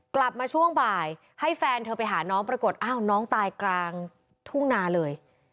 กลับมาช่วงบ่ายให้แฟนเธอไปหาน้องปรากฏอ้าวน้องตายกลางทุ่งนาเลย